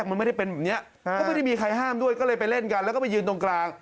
เขาไม่ได้มีใครห้ามด้วยก็เลยไปเล่นกันแล้วก็ไปยืนตรงกลาง